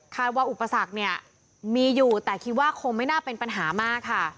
ว่าอุปสรรคเนี่ยมีอยู่แต่คิดว่าคงไม่น่าเป็นปัญหามากค่ะ